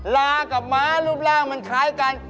ลากับม้ารูปร่างมันคล้ายกัน